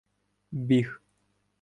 біг.